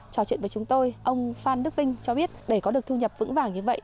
trò chuyện với chúng tôi ông phan đức vinh cho biết để có được thu nhập vững vàng như vậy